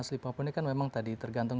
asli papua ini kan memang tadi tergantung